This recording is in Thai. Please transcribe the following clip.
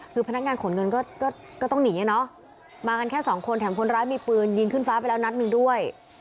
คือพนักงานขนเงินก็ต้องหนีมากันแค่สองคนแถมคนร้ายมีปืนยิงขึ้นฟ้าไปแล้วนัดหนึ่งด้วย